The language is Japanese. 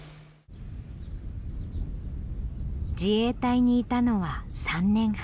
自衛隊にいたのは３年半。